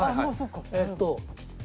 えっと